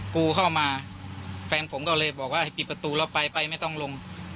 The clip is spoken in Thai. กูเข้ามาแฟนผมก็เลยบอกว่าให้ปิดประตูแล้วไปไปไม่ต้องลง